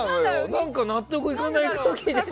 何か納得いかない空気。